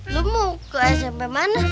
lu mau kok smp mana